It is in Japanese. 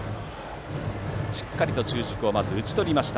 しっかり中軸を打ち取りました。